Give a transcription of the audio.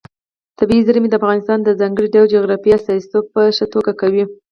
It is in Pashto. طبیعي زیرمې د افغانستان د ځانګړي ډول جغرافیې استازیتوب په ښه توګه کوي.